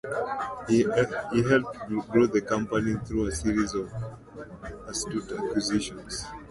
He helped grow the company through a series of astute acquisitions.